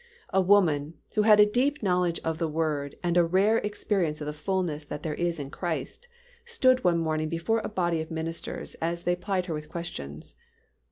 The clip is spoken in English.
A woman, who had a deep knowledge of the Word and a rare experience of the fullness that there is in Christ, stood one morning before a body of ministers as they plied her with questions.